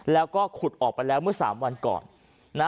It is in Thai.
แล้วก็ขุดออกไปแล้วเมื่อ๓วันก่อน